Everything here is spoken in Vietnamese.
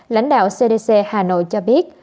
lãnh đạo cdc hà nội cho biết